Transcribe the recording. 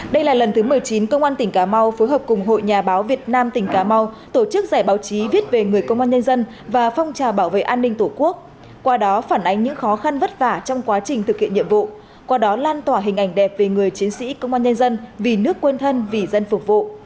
đây là lần thứ một mươi chín công an tỉnh cà mau phối hợp cùng hội nhà báo việt nam tỉnh cà mau tổ chức giải báo chí viết về người công an nhân dân và phong trào bảo vệ an ninh tổ quốc qua đó phản ánh những khó khăn vất vả trong quá trình thực hiện nhiệm vụ qua đó lan tỏa hình ảnh đẹp về người chiến sĩ công an nhân dân vì nước quên thân vì dân phục vụ